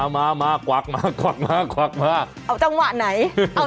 มา๑๐เอาจังหวะไหน